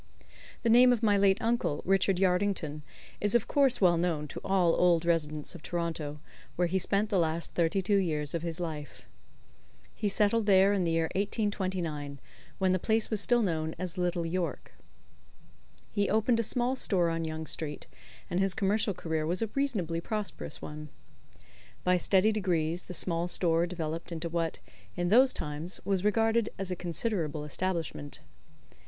The name of my late uncle, Richard Yardington, is of course well known to all old residents of Toronto, where he spent the last thirty two years of his life. He settled there in the year 1829, when the place was still known as Little York. He opened a small store on Yonge Street, and his commercial career was a reasonably prosperous one. By steady degrees the small store developed into what, in those times, was regarded as a considerable establishment.